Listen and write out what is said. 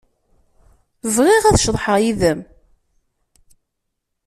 Bɣiɣ ad ceḍḥeɣ yid-m.